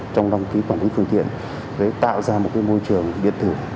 trong đăng ký quản lý phương tiện để tạo ra một môi trường biệt thử